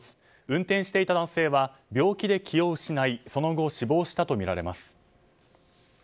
運転していた男性は病気で気を失いその後、死亡したとみられます。